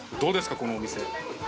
このお店。